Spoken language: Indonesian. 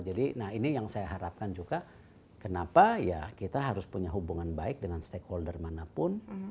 jadi ini yang saya harapkan juga kenapa ya kita harus punya hubungan baik dengan stakeholder manapun